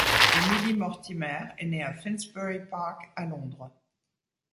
Emily Mortimer est née à Finsbury Park, à Londres.